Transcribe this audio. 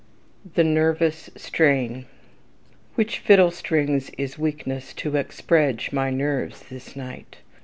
The Nervous Strain "Which fiddle strings is weakness to expredge my nerves this night."